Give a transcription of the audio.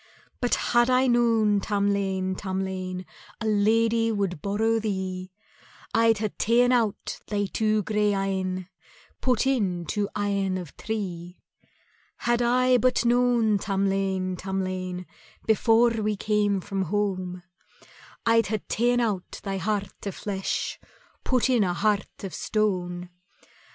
"But had I known, Tamlane, Tamlane, A lady would borrow thee, I'd hae ta'en out thy two grey eyne, Put in two eyne of tree. "Had I but known, Tamlane, Tamlane, Before we came from home, I'd hae ta'en out thy heart o' flesh, Put in a heart of stone.